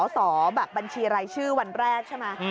สอบแบบบัญชีรายชื่อวันแรกใช่ไหม